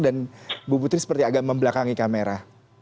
dan ibu putri seperti agak membelakangi kamera